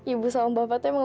ibu sama bapaknya